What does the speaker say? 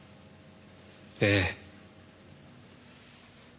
ええ。